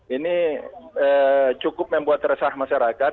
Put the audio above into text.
ini cukup membuat resah masyarakat